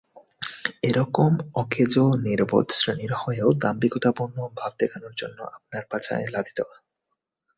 এরকম অকেজো, নির্বোধ শ্রেণির হয়েও দাম্ভিকতাপূর্ণ ভাব দেখানোর জন্য আপনার পাছায় লাথি দেওয়া।